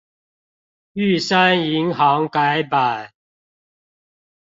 玉山銀行改版